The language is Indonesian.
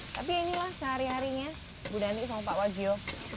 tapi inilah sehari harinya bu dhani sama pak wagio